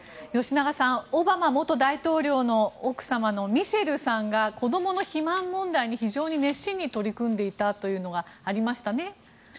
吉永さんオバマ元大統領の奥様のミシェルさんが子どもの肥満問題に非常に熱心に取り組んでいたというのがありましたね。